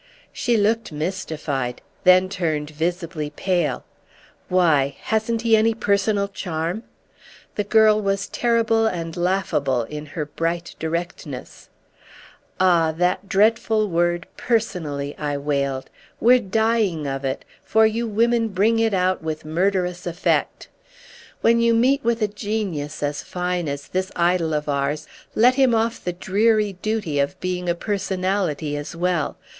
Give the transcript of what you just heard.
She looked mystified, then turned visibly pale. "Why, hasn't he any personal charm?" The girl was terrible and laughable in her bright directness. "Ah that dreadful word 'personally'!" I wailed; "we're dying of it, for you women bring it out with murderous effect. When you meet with a genius as fine as this idol of ours let him off the dreary duty of being a personality as well.